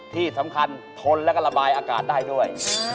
ที่สำคัญทนแล้วก็ระบายอากาศได้ด้วย